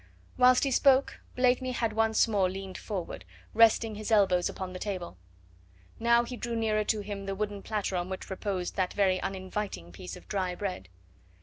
Whilst he spoke Blakeney had once more leaned forward, resting his elbows upon the table. Now he drew nearer to him the wooden platter on which reposed that very uninviting piece of dry bread.